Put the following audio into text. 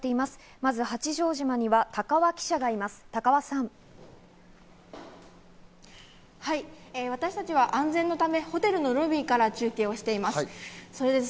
まず八丈島には高和記者がいます、高和さん。はい、私たちは安全のため、ホテルのロビーから中継をしています。